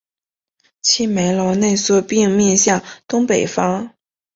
其门楼内缩并面向东北方。